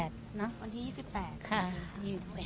วันที่๒๘